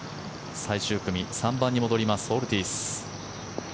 最終組、３番に戻りますオルティーズ。